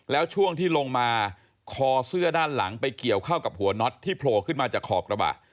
แล้วช่วงที่ลงมาคอเสื้อด้านหลังไปเกี่ยวเข้ากับหัวน็อตที่โผล่ขึ้นมาจากขอบกระบะ